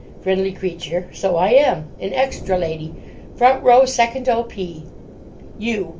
FRIENDLY CREATURE. So I am. An extra lady—front row, second O.P. YOU.